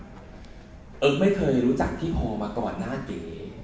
ไม่จริงครับเอิ๊กไม่เคยรู้จักพี่พอมาก่อนหน้าเก๋